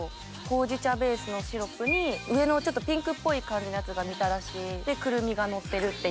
ほうじ茶ベースのシロップに上のピンクっぽい感じのやつがみたらし。でくるみが載ってるっていう。